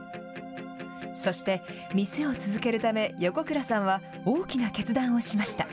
そして店を続けるため横倉さんは大きな決断をしました。